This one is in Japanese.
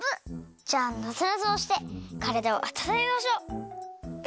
じゃあなぞなぞをしてからだをあたためましょう！え？